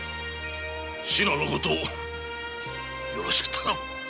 志乃のことをよろしく頼む。